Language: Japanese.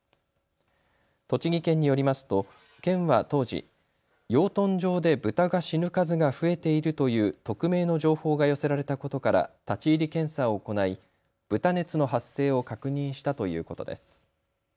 栃木県によりますと県は当時、養豚場でブタが死ぬ数が増えているという匿名の情報が寄せられたことから立ち入り検査を行い豚熱の発生を確認したということです。